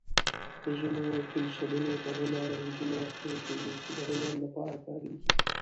د ځینو پنسلونو دننه رنګینه توکي وي، چې د هنر لپاره کارېږي.